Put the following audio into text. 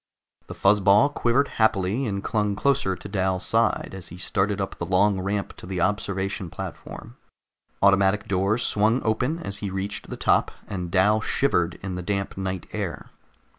The fuzz ball quivered happily and clung closer to Dal's side as he started up the long ramp to the observation platform. Automatic doors swung open as he reached the top, and Dal shivered in the damp night air.